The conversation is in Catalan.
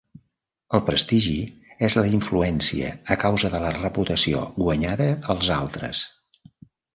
El prestigi és la influència a causa de la reputació guanyada als altres.